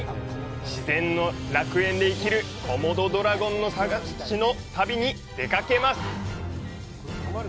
自然の楽園で生きるコモドドラゴン探しの旅に出かけます！